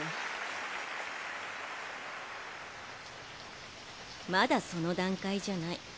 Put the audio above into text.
・ザァーまだその段階じゃない。